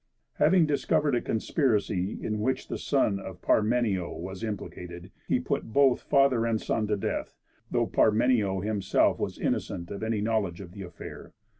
Having discovered a conspiracy in which the son of Parmenio was implicated, he put both father and son to death, though Parmenio himself was innocent of any knowledge of the affair.